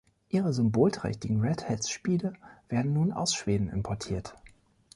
Ihre symbolträchtigen Redheads-Spiele werden nun aus Schweden importiert.